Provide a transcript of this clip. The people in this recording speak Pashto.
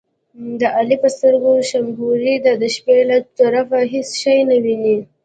د علي په سترګو شمګوري ده، د شپې له طرفه هېڅ شی نه ویني.